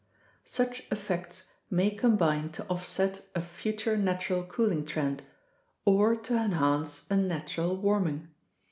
Such effects may combine to offset a future natural cooling trend or to enhance a natural warming.